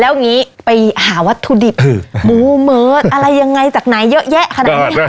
แล้วอย่างนี้ไปหาวัตถุดิบหมูเมิร์ดอะไรยังไงจากไหนเยอะแยะขนาดนี้